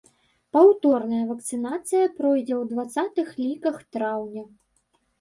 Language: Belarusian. Паўторная вакцынацыя пройдзе ў дваццатых ліках траўня.